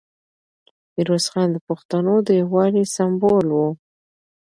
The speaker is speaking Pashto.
میرویس خان د پښتنو د یووالي سمبول و.